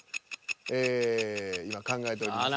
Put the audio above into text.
ええ今考えておりますね。